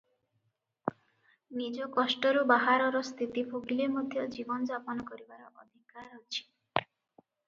ନିଜ କଷ୍ଟରୁ ବାହାରର ସ୍ଥିତି ଭୋଗିଲେ ମଧ୍ୟ ଜୀବନଯାପନ କରିବାର ଅଧିକାର ଅଛି ।